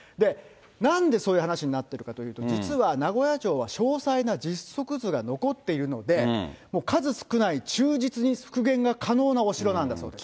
なんでそういう話になっているかというと、実は名古屋城は詳細な実測図が残っているので、もう数少ない、忠実に復元が可能なお城なんだそうです。